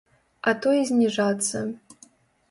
А то і зніжацца.